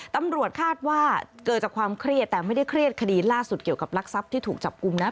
ตำรวจคาดว่าเกิดจากความเครียดแต่ไม่ได้เครียดคดีล่าสุดเกี่ยวกับรักทรัพย์ที่ถูกจับกลุ่มนะ